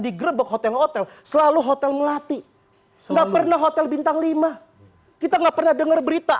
digerbek hotel hotel selalu hotel melati selalu hotel bintang lima kita nggak pernah denger berita